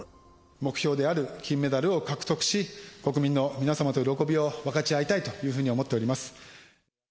目標である金メダルを獲得し、国民の皆様と喜びを分かち合いたいというふうに思っております。